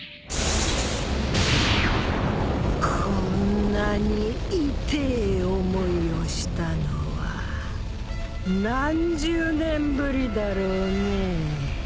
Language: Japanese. こんなに痛え思いをしたのは何十年ぶりだろうねぇ。